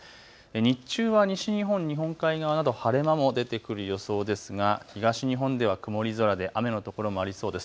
日中は西日本、日本海側など晴れ間も出てくる予想ですが、東日本では曇り空で雨の所もありそうです。